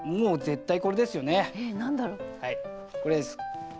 これです。